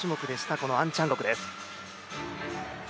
このアンチャンゴクです。